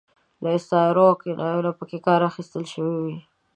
له استعارو او کنایو څخه پکې کار اخیستل شوی وي.